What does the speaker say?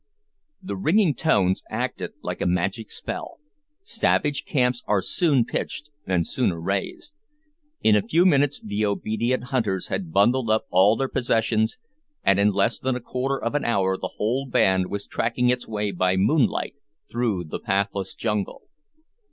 The ringing tones acted like a magic spell. Savage camps are soon pitched and sooner raised. In a few minutes the obedient hunters had bundled up all their possessions, and in less than a quarter of an hour the whole band was tracking its way by moonlight through the pathless jungle.